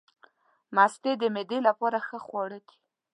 مستې د معدې لپاره ښه خواړه دي.